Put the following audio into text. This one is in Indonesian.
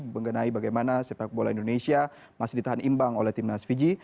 mengenai bagaimana sepak bola indonesia masih ditahan imbang oleh timnas fiji